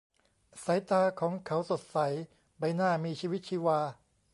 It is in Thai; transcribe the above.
สายตาของเขาสดใส ใบหน้ามีชีวิตชีวา